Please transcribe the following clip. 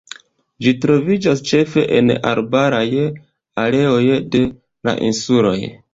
Ĝi troviĝas ĉefe en arbaraj areoj de la insuloj.